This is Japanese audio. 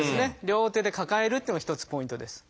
両手で抱えるっていうのが一つポイントです。